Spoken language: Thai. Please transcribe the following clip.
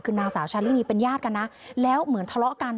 คือนางสาวชาลินีเป็นญาติกันนะแล้วเหมือนทะเลาะกัน